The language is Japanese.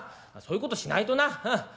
そういうことしないとな。